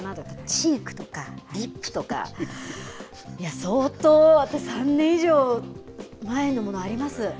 チークとかリップとか、相当、私３年以上前のものあります。